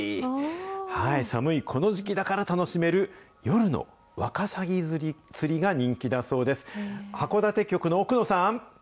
寒いこの時期だから楽しめる、夜のワカサギ釣りが人気だそうです。